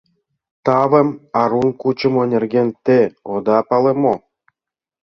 — Тавым арун кучымо нерген те ода пале мо?